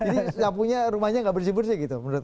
nyapunya rumahnya nggak bersih bersih gitu menurut anda